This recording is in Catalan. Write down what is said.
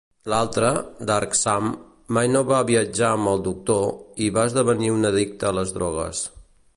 L'altra, "Dark Sam", mai va viatjar amb el Doctor i va esdevenir una addicta a les drogues.